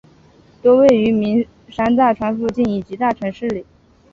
多位于名山大川附近以及大城市里。